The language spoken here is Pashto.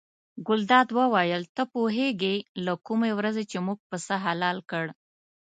ګلداد وویل ته پوهېږې له کومې ورځې چې موږ پسه حلال کړ.